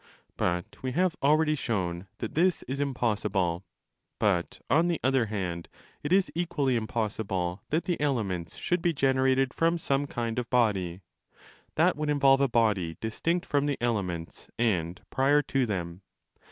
But we have already shown ® that this is impossible. But, on the other hand, it is equally impossible that the elements should be generated from some kind of body. That would involve a body distinct from the elements and prior to them.